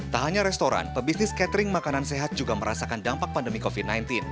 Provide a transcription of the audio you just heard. tak hanya restoran pebisnis catering makanan sehat juga merasakan dampak pandemi covid sembilan belas